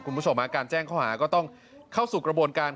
การแจ้งเข้าหาก็ต้องเข้าสู่กระบวนการ